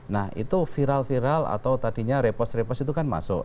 nah itu viral viral atau tadinya repost repost itu kan masuk